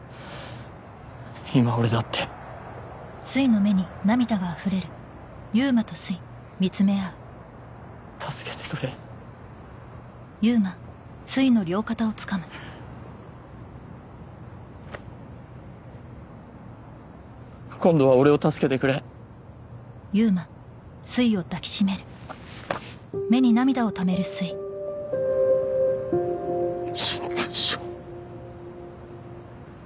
今俺だって助けてくれ今度は俺を助けてくれチクショウ